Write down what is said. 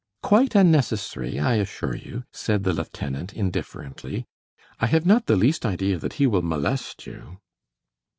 "Quite unnecessary, I assure you," said the lieutenant, indifferently; "I have not the least idea that he will molest you."